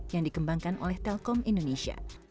yang dikembangkan oleh telkom indonesia